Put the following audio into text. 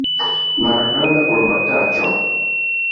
Malgranda urbetaĉo.